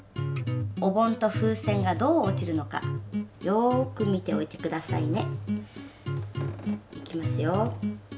お盆と風船がどう落ちるのかよく見ておいて下さいね。いきますよ。